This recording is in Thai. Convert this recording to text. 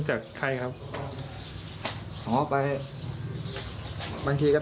ครับแล้วก็ไปบ้านพ่อไปกินข้าว